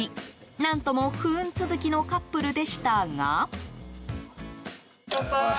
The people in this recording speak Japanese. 何とも不運続きのカップルでしたが。